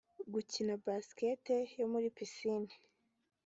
gukina Basketball yo muri piscine